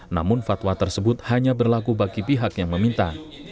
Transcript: namun fatwa tersebut hanya berlaku bagi pihak yang meminta